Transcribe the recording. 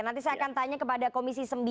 nanti saya akan tanya kepada komisi sembilan